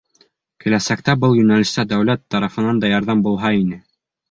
Киләсәктә был йүнәлештә дәүләт тарафынан да ярҙам булһа ине.